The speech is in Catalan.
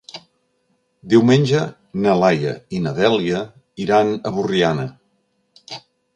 Diumenge na Laia i na Dèlia iran a Borriana.